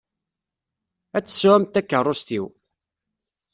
Ad tt-tesɛumt takeṛṛust-iw.